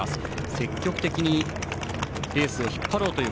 積極的にレースを引っ張ろうという形。